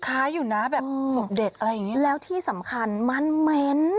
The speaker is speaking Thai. คล้ายอยู่นะแบบศพเด็กอะไรอย่างนี้แล้วที่สำคัญมันเหม็น